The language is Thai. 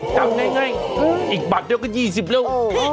จับง่ายอีกบาทเราก็๒๐เร็ว